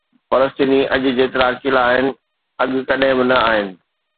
فلسطيني اڄ جيترا اڪيلا آهن، اڳ ڪڏهن به نه آهن.